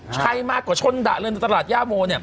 ใช้มากกว่าชนดะเลยในตลาดย่าโม